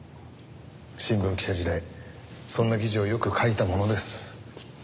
新聞記者時代そんな記事をよく書いたものです。